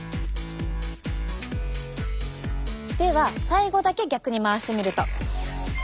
では最後だけ逆に回してみると。